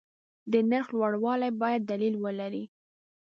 د نرخ لوړوالی باید دلیل ولري.